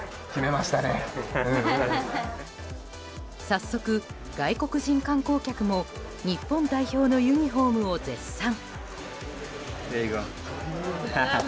早速、外国人観光客も日本代表のユニホームを絶賛。